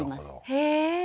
へえ。